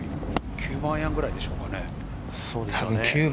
９番アイアンくらいでしょうかね。